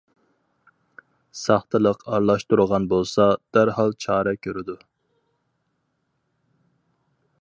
ساختىلىق ئارىلاشتۇرغان بولسا، دەرھال چارە كۆرىدۇ.